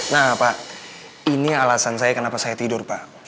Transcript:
nah pak ini alasan saya kenapa saya tidur pak